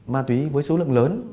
má túy với số lượng lớn